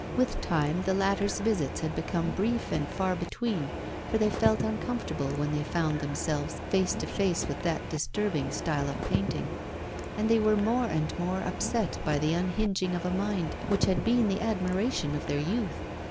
With time the latters' visits had become brief and far between, for they felt uncomfortable when they found themselves face to face with that disturbing style of painting; and they were more and more upset by the unhinging of a mind which had been the admiration of their youth.